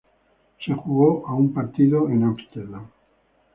Se jugó a un partido en Amsterdam.